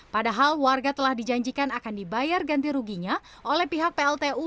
padahal warga telah dijanjikan akan dibayar ganti ruginya oleh pihak pltu